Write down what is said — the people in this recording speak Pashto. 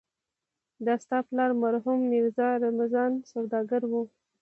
د استاد پلار مرحوم ميرزا رمضان سوداګر و.